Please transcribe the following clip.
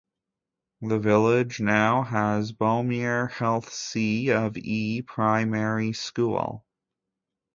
The village now has Bomere Heath C of E primary school.